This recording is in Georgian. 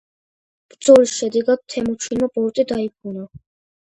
ბრძოლის შედეგად თემუჩინმა ბორტე დაიბრუნა.